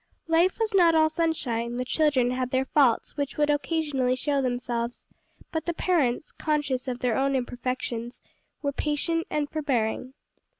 Life was not at all sunshine; the children had their faults which would occasionally show themselves; but the parents, conscious of their own imperfections, were patient and forbearing.